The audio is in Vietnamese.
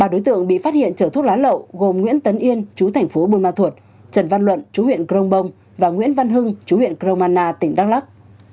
ba đối tượng bị phát hiện chở thuốc lá lậu gồm nguyễn tấn yên chú thành phố bùi ma thuột trần văn luận chú huyện crong bông và nguyễn văn hưng chú huyện crong mana tỉnh đắk lóc